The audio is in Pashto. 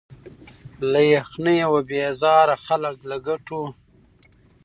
له یخنیه وه بېزار خلک له ګټو